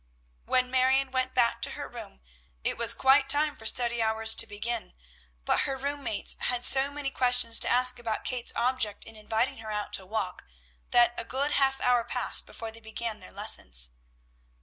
When Marion went back to her room it was quite time for study hours to begin; but her room mates had so many questions to ask about Kate's object in inviting her out to walk, that a good half hour passed before they began their lessons.